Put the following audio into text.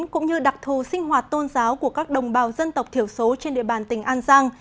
cũng như đặc thù sinh hoạt tôn giáo của các đồng bào dân tộc thiểu số trên địa bàn tỉnh an giang